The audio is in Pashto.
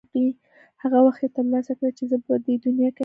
هغه وخت یې ترلاسه کړې چې زه به په دې دنیا کې نه یم.